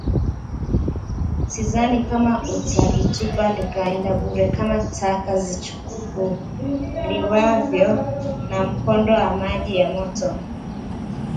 sidhani kama utalitupa likaenda bure kama taka zichukuliwavyo na mkondo wa maji ya mto